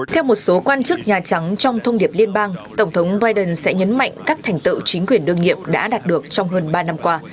theo một số quan chức nhà trắng trong thông điệp liên bang tổng thống biden sẽ nhấn mạnh các thành tựu chính quyền đương nghiệp đã đạt được trong hơn ba năm qua